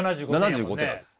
７５点なんですよ。